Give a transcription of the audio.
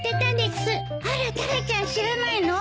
あらタラちゃん知らないの？